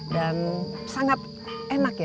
dan sangat enak ya